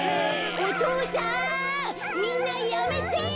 お父さんみんなやめて！